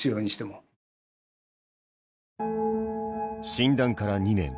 診断から２年。